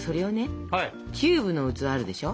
キューブの器あるでしょ。